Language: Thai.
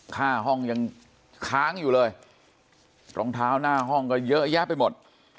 ห้องยังค้างอยู่เลยรองเท้าหน้าห้องก็เยอะแยะไปหมด